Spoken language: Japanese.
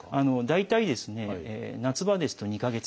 大体夏場ですと２か月ぐらい。